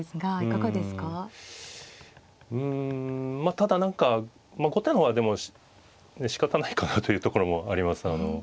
ただ何か後手の方はでもしかたないかなというところもあります。